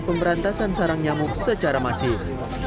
pemberantasan sarang nyamuk secara masif